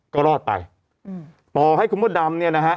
ก็รอดไปต่อให้คุณมดดำเนี่ยนะฮะ